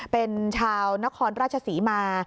เป็นชาวนครราชศรีมา